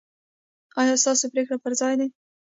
ایا ستاسو پریکړې پر ځای دي؟